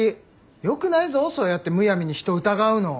よくないぞそうやってむやみに人を疑うの。